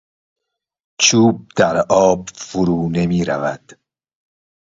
چوب در آب فرو نمیرود.